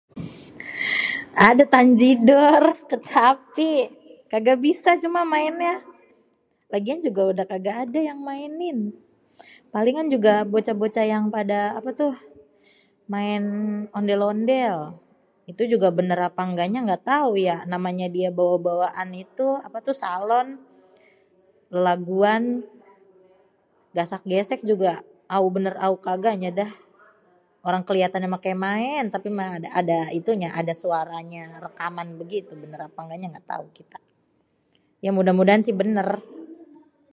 ada tanjidor kecapi.. kagak bisa cuman mainnya.. lagian juga udah kagak ada yang mainin.. palingan juga bocah-bocah yang pada apa tuh main ondél-ondél.. itu juga bênêr apa ngga nya ngga tau ya.. namanya dia bawa-bawaan itu apa tu salon.. laguan gasak-gesék juga au bênêr au kagaknya lah.. orang keliatannya mah kayak maèn tapi mah ada itunya ada suaranya rekaman gitu bènèr apa kagaknya ngga tau kita.. ya mudah-mudahan sih bènèr..